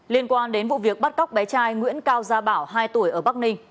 liên quan đến vụ việc bắt cóc bé trai nguyễn cao gia bảo hai tuổi ở bắc ninh